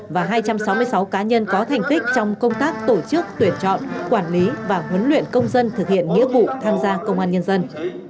và hai trăm sáu mươi sáu cá nhân có thành tích trong công tác tổ chức tuyển chọn quản lý và huấn luyện công dân thực hiện nghĩa vụ tham gia công an nhân dân